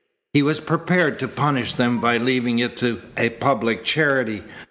He was prepared to punish them by leaving it to a public charity.